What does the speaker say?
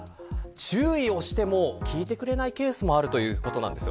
注意をしても聞いてくれないケースもあるということなんです。